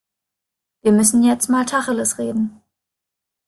Wir müssen jetzt mal Tacheles reden.